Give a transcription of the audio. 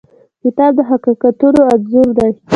کتاب د حقیقتونو انځور دی.